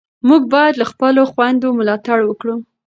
موږ باید له خپلو خویندو ملاتړ وکړو.